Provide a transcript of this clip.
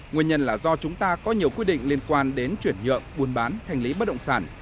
nguyên nhân là do chúng ta có nhiều quy định liên quan đến chuyển nhượng buôn bán thành lý bất động sản